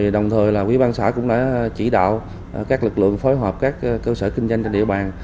đồng thời là quỹ ban xã cũng đã chỉ đạo các lực lượng phối hợp các cơ sở kinh doanh trên địa bàn